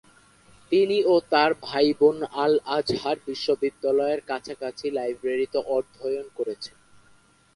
তিনি ও তার ভাইবোন আল-আজহার বিশ্ববিদ্যালয়ের কাছাকাছি লাইব্রেরিতে অধ্যয়ন করেন।